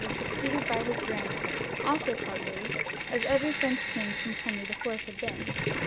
was succeeded by his grandson, also called Louis, as every French, king since Henry IV. had been.